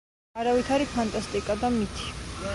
არავითარი ფანტასტიკა და მითი.